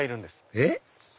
えっ？